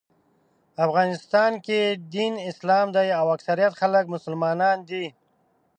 افغانستان کې دین اسلام دی او اکثریت خلک مسلمانان دي.